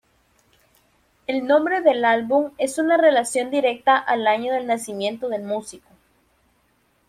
El nombre del álbum es una relación directa al año del nacimiento del músico.